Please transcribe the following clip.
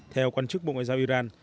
theo quan chức bộ ngoại giao iran